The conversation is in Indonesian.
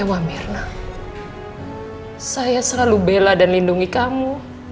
ibu amirna saya selalu bela dan lindungi kamu